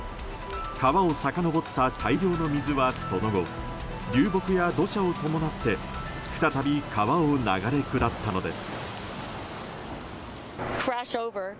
川をさかのぼった大量の水はその後流木や土砂を伴って再び川を流れ下ったのです。